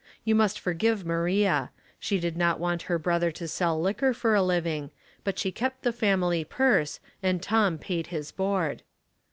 You must forgive Maria; she did not want her brother to sell liquor for a living, but she kept the family purse, and Tom paid his board.